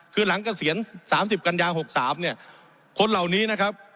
คือหลังเกษียรสามสิบกัญญาหกสามเนี้ยคนเหล่านี้นะครับ